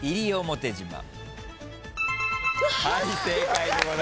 はい正解でございます。